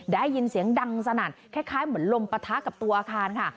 ได้ยินเสียงดังสนั่นคล้ายเหมือนลมปะทะกับตัวอาคารค่ะ